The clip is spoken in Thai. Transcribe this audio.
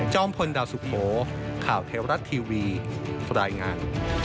พลดาวสุโขข่าวเทวรัฐทีวีรายงาน